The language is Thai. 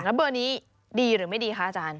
แล้วเบอร์นี้ดีหรือไม่ดีคะอาจารย์